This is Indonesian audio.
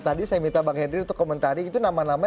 tadi saya minta bang henry untuk komentari itu nama nama